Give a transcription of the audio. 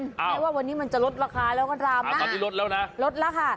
แม้ว่าวันนี้มันจะลดราคาแล้วก็ทำตอนนี้ลดแล้วนะลดแล้วค่ะ